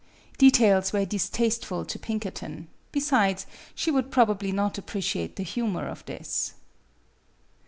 Details were distasteful to Pinkerton; besides, she would probably not appreciate the humor of this.